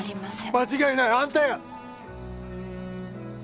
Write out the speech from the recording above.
間違いないあんたや